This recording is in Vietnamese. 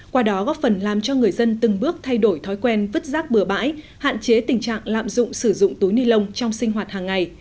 qua đó góp phần làm cho người dân từng bước thay đổi thói quen vứt rác bừa bãi hạn chế tình trạng lạm dụng sử dụng túi ni lông trong sinh hoạt hàng ngày